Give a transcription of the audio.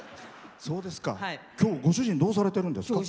きょう、ご主人どうされてるんですか？